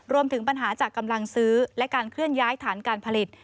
รวมถึงปัญหาจากกำลังซื้อและการเคลื่อนย้ายฐานการผลิต